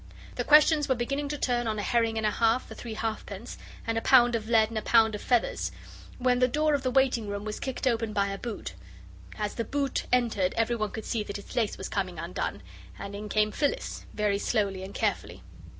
The questions were beginning to turn on a herring and a half for three halfpence, and a pound of lead and a pound of feathers, when the door of the waiting room was kicked open by a boot; as the boot entered everyone could see that its lace was coming undone and in came Phyllis, very slowly and carefully.